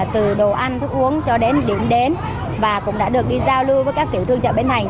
từ đồ ăn thức uống cho đến điểm đến và cũng đã được đi giao lưu với các tiểu thương chợ bên thành